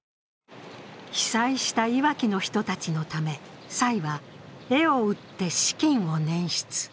被災したいわきの人たちのため蔡は絵を売って資金を捻出。